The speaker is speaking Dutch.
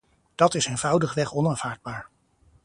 Dat is eenvoudigweg onaanvaardbaar.